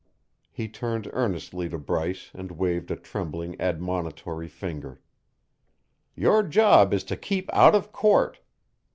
He turned earnestly to Bryce and waved a trembling admonitory finger. "Your job is to keep out of court.